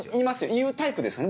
言うタイプですよね？